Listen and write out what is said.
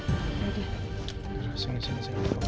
terus sini sini